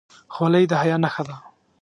خولۍ د حیا نښه ده.